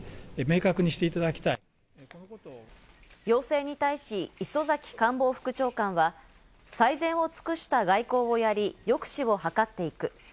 要請に対し磯崎官房副長官は最善を尽くした外交をやり、抑止を図っていく。